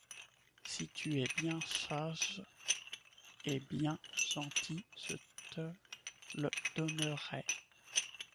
Si tu es bien sage et bien gentille, je te le donnerai.